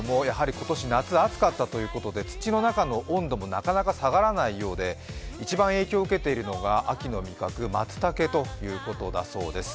今年、夏暑かったということで土の中の温度もなかなか下がらないようで一番影響を受けているのが秋の味覚、まつたけということだそうです。